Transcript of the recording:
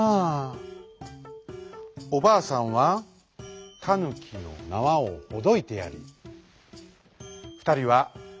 おばあさんはタヌキのなわをほどいてやりふたりはこめつきをはじめました。